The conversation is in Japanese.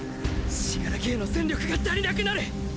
死柄木への戦力が足りなくなる！